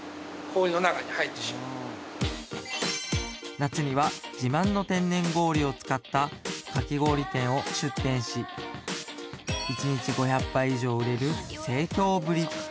夏には自慢の天然氷を使ったかき氷店を出店し一日５００杯以上売れる盛況ぶり